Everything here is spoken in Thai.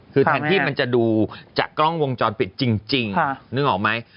คือที่จะดูจากกล้องวงจรปิดจริงนึกออกมั้ยค่ะมั้ย